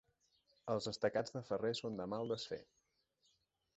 Els estacats de ferrer són de mal desfer.